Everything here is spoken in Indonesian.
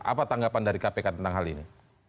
apa tanggapan dari kpk tentang hal ini